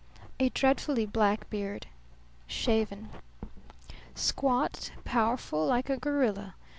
A dreadfully black beard, shaven." "Squat, powerful, like a gorilla.